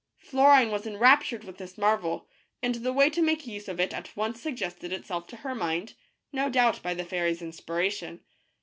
Florine was enraptured with this marvel, and the way to make use of it at once suggested itself to her mind, no doubt by the fairy's inspiration.